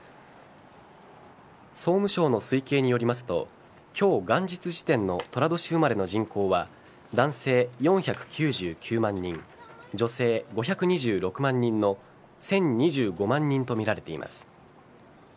総務省の推計によりますと今日、元日時点の寅年生まれの人口は男性４９９万人女性５２６万人の１０２５万人とみられています。